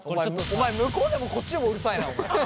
お前向こうでもこっちでもうるさいなお前。